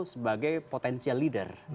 sebagai potensial leader